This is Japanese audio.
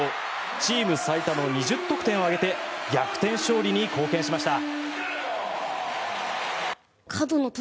チーム最多の２０得点を挙げて逆転勝利に貢献しました。